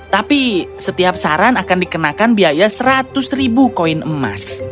tapi setiap saran akan dikenakan biaya seratus ribu koin emas